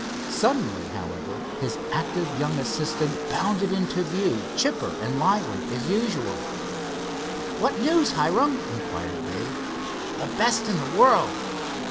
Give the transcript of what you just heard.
Suddenly, however, his active young assistant bounded into view, chipper and lively as usual. "What news, Hiram?" inquired Dave. "The best in the world."